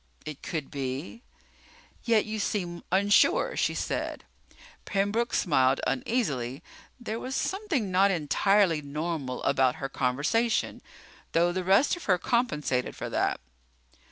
"It could be." "Yet you seem unsure," she said. Pembroke smiled, uneasily. There was something not entirely normal about her conversation. Though the rest of her compensated for that.